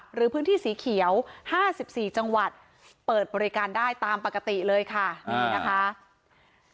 หรือพื้นที่สีเขียว๕๔จังหวัดเปิดบริการได้ตามปกติเลยค่ะนี่นะคะ